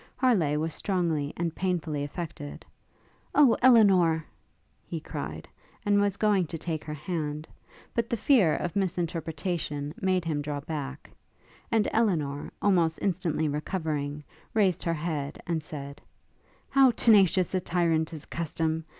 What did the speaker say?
Harleigh was strongly and painfully affected. 'O Elinor!' he cried, and was going to take her hand; but the fear of misinterpretation made him draw back; and Elinor, almost instantly recovering, raised her head, and said, 'How tenacious a tyrant is custom!